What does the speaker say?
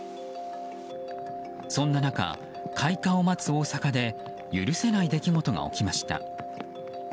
そんな中、開花を待つ大阪で許せない出来事が起きました。